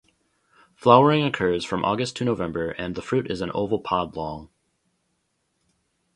Flowering occurs from August to November and the fruit is an oval pod long.